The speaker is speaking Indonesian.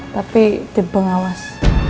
tapi di pengawas